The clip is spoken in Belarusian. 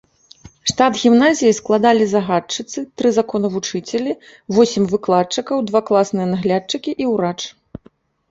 Штат гімназіі складалі загадчыцы, тры законавучыцелі, восем выкладчыкаў, два класныя наглядчыкі і ўрач.